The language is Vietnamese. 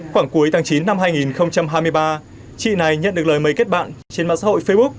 khoảng cuối tháng chín năm hai nghìn hai mươi ba chị này nhận được lời mời kết bạn trên mạng xã hội facebook